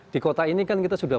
di kota ini kan kita sudah